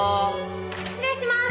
失礼します。